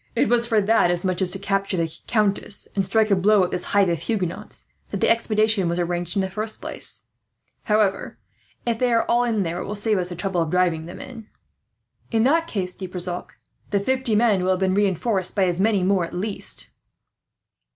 It was for that, as much as to capture the countess and strike a blow at this hive of Huguenots, that the expedition was arranged. However, if they are all in there, it will save us the trouble of driving them in." "In that case though, De Brissac, the fifty men will have been reinforced by as many more, at least."